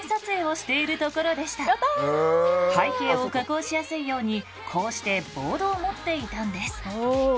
背景を加工しやすいようにこうしてボードを持っていたんです。